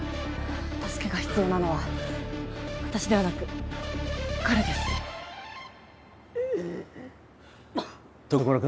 助けが必要なのは私ではなく彼ですうう徳丸君